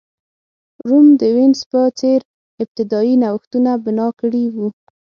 روم د وینز په څېر ابتدايي نوښتونه بنا کړي وو.